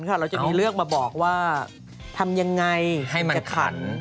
แล้วจะมีเรื่องมาบอกว่าทำอย่างไรกับขัน